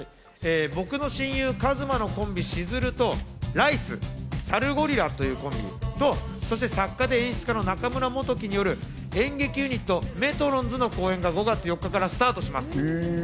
僕の親友・ＫＡＺＭＡのコンビ・しずると、ライス、サルゴリラというコンビと、作家で演出家の中村元樹による演劇ユニット・メトロンズの公演が５月４日からスタートします。